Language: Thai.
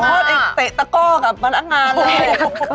คลอดเองเตะตะกอกกับมนักงานเลย